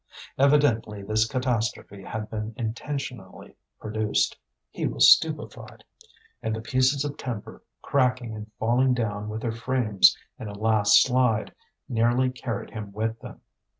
Evidently this catastrophe had been intentionally produced. He was stupefied, and the pieces of timber, cracking and falling down with their frames in a last slide, nearly carried him with them.